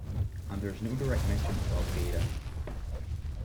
And there is no direct mention of Al-Qaeda.